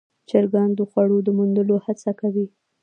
چرګان د خوړو د موندلو هڅه کوي.